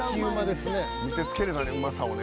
見せつけれたねうまさをね。